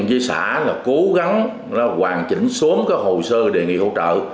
với xã cố gắng hoàn chỉnh xuống hồ sơ đề nghị hỗ trợ